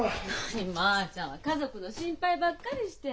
まあちゃんは家族の心配ばっかりして。